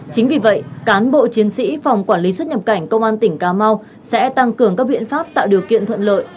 chính vì vậy cán bộ chiến sĩ phòng quản lý xuất nhập cảnh công an tỉnh cà mau sẽ tăng cường các biện pháp tạo điều kiện thuận lợi